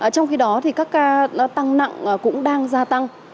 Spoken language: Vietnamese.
trong khi đó thì các ca tăng nặng cũng đang gia tăng